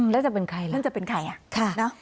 แล้วจะเป็นใครล่ะค่ะน้องแล้วจะเป็นใคร